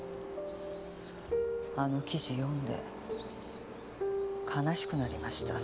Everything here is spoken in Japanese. あの記事読んで悲しくなりました。